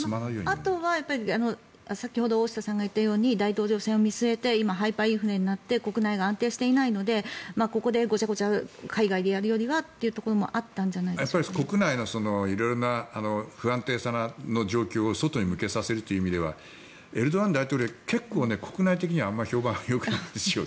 あとは大下さんが言ったように大統領選挙を見据えて今、ハイパーインフレになって国内が安定していないのでここでごちゃごちゃ海外でやるよりはということも国内の不安定な状態を外に向けさせるという意味ではエルドアン大統領は結構、国内的には評判がよくないんですよ。